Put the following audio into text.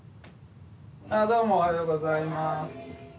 あどうもおはようございます。